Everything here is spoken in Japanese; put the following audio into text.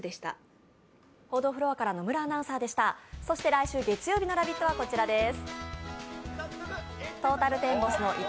来週月曜日の「ラヴィット！」はこちらです。